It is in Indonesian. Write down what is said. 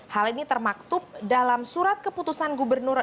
hal ini termaktub dalam surat keputusan gubernur